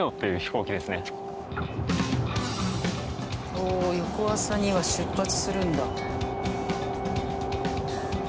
おお翌朝には出発するんだ。